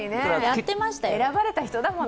選ばれた人だもの。